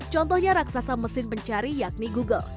contohnya raksasa mesin pencari yakni google